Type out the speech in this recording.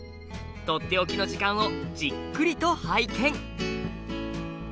「とっておきの時間」をじっくりと拝見！